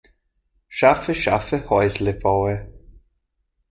Schaffe schaffe Häusle baue.